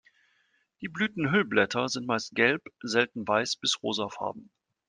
Die Blütenhüllblätter sind meist gelb, selten weiß bis rosafarben.